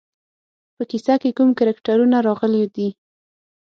په کیسه کې کوم کرکټرونه راغلي دي.